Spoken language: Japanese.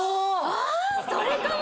ああそれかも！